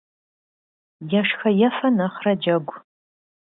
Ешхэ-ефэ нэхърэ джэгу.